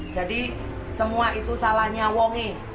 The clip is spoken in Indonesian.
jadi semua itu salahnya wongi